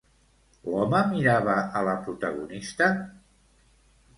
L'home mirava a la protagonista?